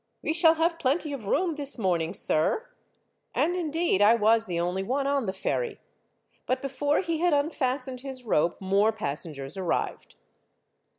"We shall have plenty of room this morning, sir !" And indeed I was the only one on the ferry, but before he had unfastened his rope more pas sengers arrived.